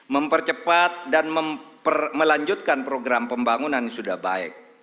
mempercepat dan melanjutkan program pembangunan yang sudah baik